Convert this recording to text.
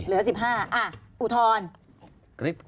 เหลือ๑๕ปีอ่ะอุทร